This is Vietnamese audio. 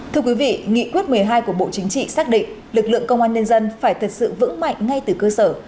thưa quý vị nghị quyết một mươi hai của bộ chính trị xác định lực lượng công an nhân dân phải thật sự vững mạnh ngay từ cơ sở